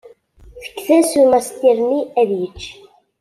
Fket-as i umestir-nni ad yečč.